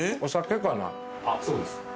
そうです。